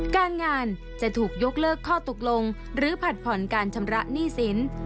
การงานจะถูกยกเลิกข้อตกลงหรือผัดผ่อนการชำระหนี้สิน